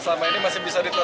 selama ini masih bisa ditolak